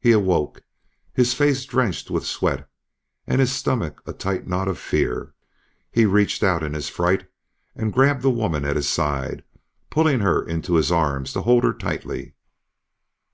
He awoke, his face drenched with sweat and his stomach a tight knot of fear. He reached out, in his fright, and grabbed the woman at his side, pulling her into his arms to hold her tightly.